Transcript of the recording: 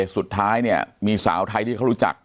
สุดท้ายเนี่ยมีสาวไทยที่เขารู้จัก